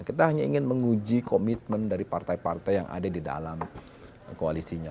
kita hanya ingin menguji komitmen dari partai partai yang ada di dalam koalisinya